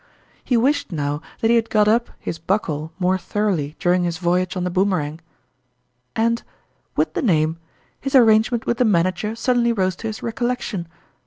He wished now that he had got up his Buckle more thoroughly during his voyage on the Boomerang and, with the name, his ar rangement with the manager suddenly rose to his recollection.